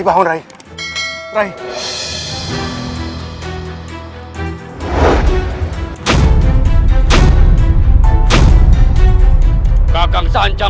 masuklah ke dalam